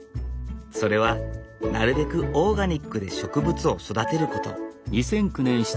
それはなるべくオーガニックで植物を育てること。